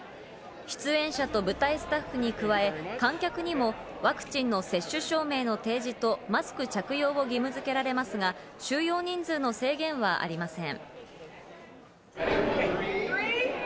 出演者と舞台スタッフに加え、観客にもワクチンの接種証明の提示とマスク着用を義務付けられますが、収容人数の制限はありません。